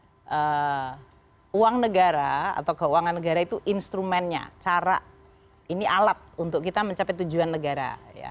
dan uang negara atau keuangan negara itu instrumennya cara ini alat untuk kita mencapai tujuan negara